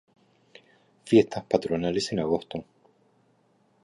Fiestas patronales en agosto.